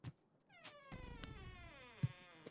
O’shanda bu gapning mag’zini chaqmagan edim.